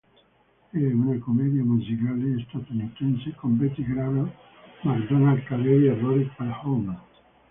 È una commedia musicale statunitense con Betty Grable, Macdonald Carey e Rory Calhoun.